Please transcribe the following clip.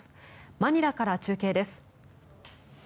マニラから中継です。